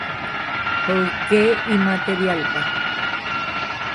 hoyke imaterialpa.